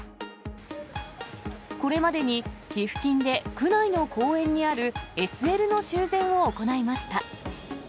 これまでに寄付金で区内の公園にあるＳＬの修繕を行いました。